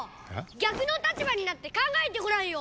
逆の立場になってかんがえてごらんよ！